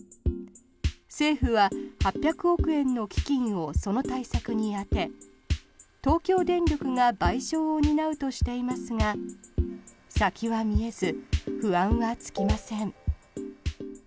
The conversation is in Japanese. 政府は８００億円の基金をその対策に充て東京電力が賠償を担うとしていますが先は見えず、不安は尽きません。